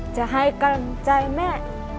จะให้กำลังใจแม่